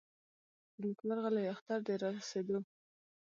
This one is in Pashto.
د نېکمرغه لوی اختر د رارسېدو .